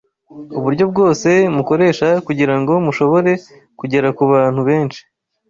uburyo bwose mukoresha kugira ngo mushobore kugera ku bantu benshi